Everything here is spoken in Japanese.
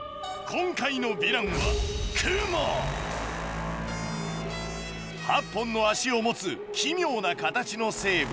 今回のヴィランは８本の脚を持つ奇妙な形の生物。